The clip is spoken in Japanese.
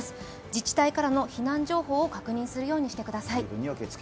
自治体からの避難情報を確認するようにしてください。